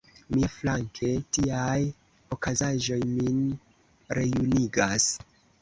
Miaflanke, tiaj okazaĵoj min rejunigas.